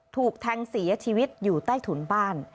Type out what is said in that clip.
ถูกแทงเสียชีวิตอยู่ใต้ถุนบ้าน